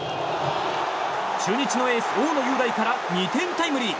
中日のエース、大野雄大から２点タイムリー。